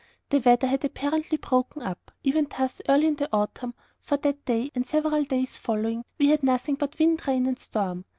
The weather had apparently broken up, even thus early in the autumn; and for that day, and several days following, we had nothing but wind, rain, and storm.